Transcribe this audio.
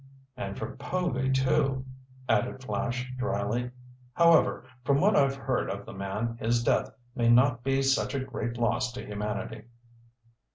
"And for Povy, too," added Flash dryly. "However, from what I've heard of the man, his death may not be such a great loss to humanity."